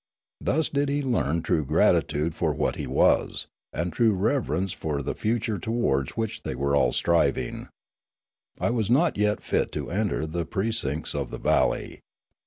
Thus did he learn true gratitude for what he was, and true reverence for the future towards which they were all striving. I was not yet fit to enter the precincts of the valley.